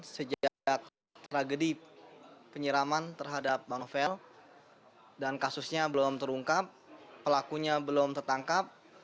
sejak tragedi penyiraman terhadap novel dan kasusnya belum terungkap pelakunya belum tertangkap